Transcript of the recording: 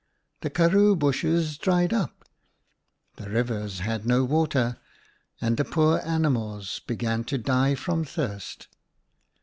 The karroo bushes dried up, the rivers had no water, and the poor animals began to die from thirst.